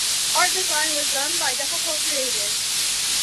Art design was done by Duffelcoat Creative.